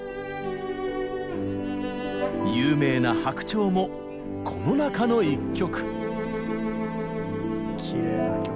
有名な「白鳥」もこの中の１曲。